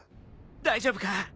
大丈夫か？